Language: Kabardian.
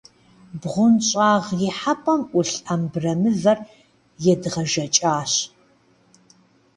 БгъуэнщӀагъ ихьэпӀэм Ӏулъ абрэмывэр едгъэжэкӏащ.